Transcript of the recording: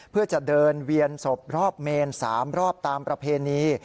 เพื่อจะเดินเวียนศพรอบเมน๓รอบตามประเพณี